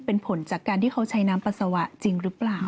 เป็นผลจากการที่เขาใช้น้ำปัสสาวะจริงหรือเปล่า